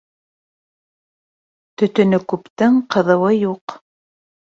Төтөнө күптең ҡыҙыуы юҡ.